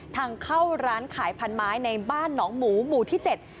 ทางเข้าร้านขายพันไม้ในบ้านหนองหมูหมู่ที่เจ็ด